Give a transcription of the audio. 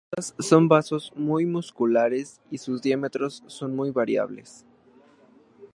Las arteriolas son vasos muy musculares y sus diámetros son muy variables.